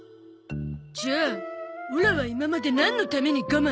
じゃあオラは今までなんのために我慢してたの？